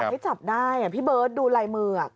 อยากให้จับได้พี่เบิ๊ชดูลายมือน่ะ